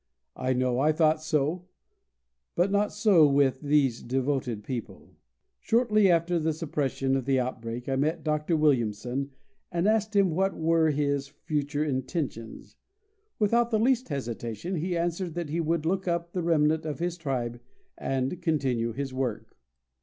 I know I thought so, but not so with these devoted people. Shortly after the suppression of the outbreak I met Dr. Williamson, and asked him what were his future intentions. Without the least hesitation he answered that he would look up the remnant of his tribe, and continue his work.